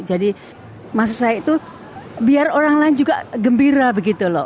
jadi maksud saya itu biar orang lain juga gembira begitu loh